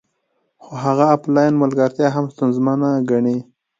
خو هغه افلاین ملګرتیا هم ستونزمنه ګڼي